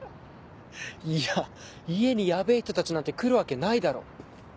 いや家にヤベェ人たちなんて来るわけないだろ。